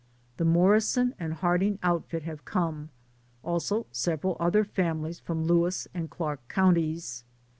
The Morrison and Harding outfit have come, also several other families from Lewis and Clark counties.